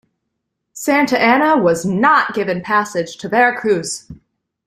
Santa Anna was not given passage to Veracruz.